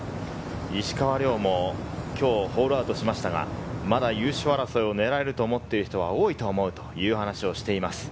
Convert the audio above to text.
石川遼も今日ホールアウトしましたが、まだ優勝争いを狙えると思っている人は多いと思うという話をしています。